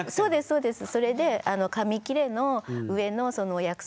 そうです。